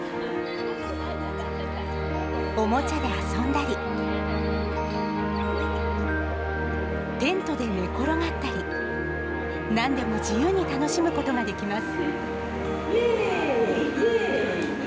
おもちゃで遊んだり、テントで寝転がったり、なんでも自由に楽しむことができます。